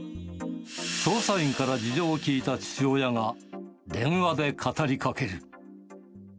捜査員から事情を聴いた父親が電話で語りかける。